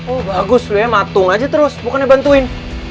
oh bagus lo ya matung aja terus bukannya bantuin